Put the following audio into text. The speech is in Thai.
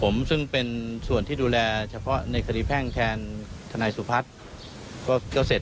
ผมซึ่งเป็นส่วนที่ดูแลเฉพาะในคดีแพ่งแทนทนายสุพัฒน์ก็เสร็จ